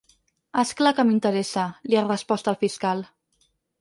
És clar que m’interessa, li ha respost el fiscal.